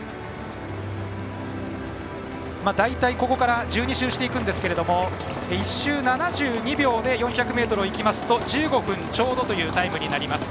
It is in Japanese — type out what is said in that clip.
大体ここから１２周していくんですが１周７２秒で４００ｍをいきますと１５分ちょうどというタイムになります。